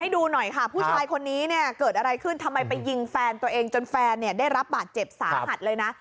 ดูหน่อยค่ะผู้ชายคนนี้เนี่ยเกิดอะไรขึ้นทำไมไปยิงแฟนตัวเองจนแฟนเนี่ยได้รับบาดเจ็บสาหัสเลยนะ